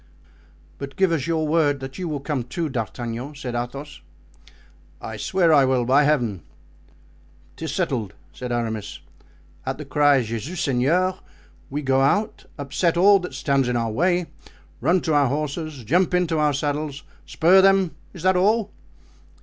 "But give us your word that you will come too, D'Artagnan," said Athos. "I swear I will, by Heaven." "'Tis settled," said Aramis; "at the cry 'Jesus Seigneur' we go out, upset all that stands in our way, run to our horses, jump into our saddles, spur them; is that all?"